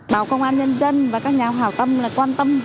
báo công an nhân dân và các nhà hào tâm quan tâm